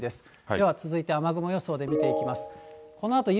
では続いて雨雲予想で見ていきます。